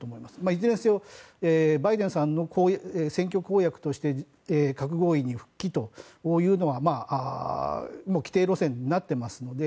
いずれにせよ、バイデンさんの選挙公約として核合意に復帰というのは既定路線になっていますので。